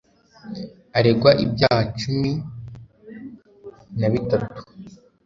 Aregwa ibyaha cumin a bitatu